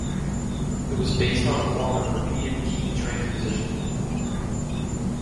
It was based on a form of repeated-key transposition.